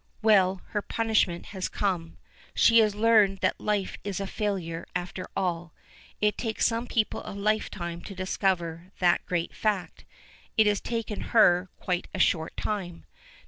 Well, her punishment has come! She has learned that life is a failure after all. It takes some people a lifetime to discover that great fact; it has taken her quite a short time.